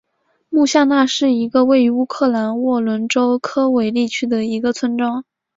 穆夏那是一个位于乌克兰沃伦州科韦利区的一个村庄。